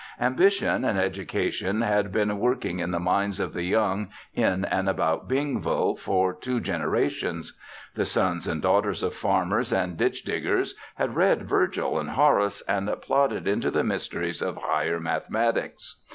Ambition and Education had been working in the minds of the young in and about Bingville for two generations. The sons and daughters of farmers and ditch diggers had read Virgil and Horace and plodded into the mysteries of higher mathematics.